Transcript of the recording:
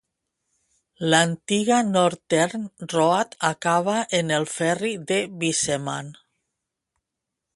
L'antiga Northern Road acaba en el Ferri de Wiseman.